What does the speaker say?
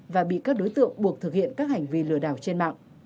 và bị các đối tượng buộc thực hiện các hành vi lừa đảo trên mạng